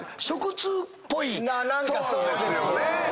そうですよね。